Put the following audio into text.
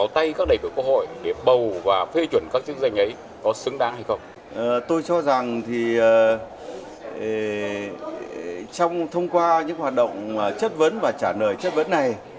tôi cho rằng thì trong thông qua những hoạt động chất vấn và trả lời chất vấn này